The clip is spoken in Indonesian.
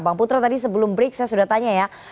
bang putra tadi sebelum break saya sudah tanya ya